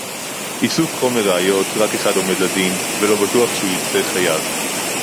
איסוף חומר ראיות - רק אחד עומד לדין ולא בטוח שהוא יוצא חייב